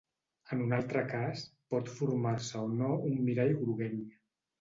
En un altre cas, pot formar-se o no un mirall groguenc.